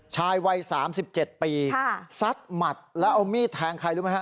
ชายวัย๓๗ปีซัดหมัดแล้วเอามีดแทงใครรู้ไหมฮะ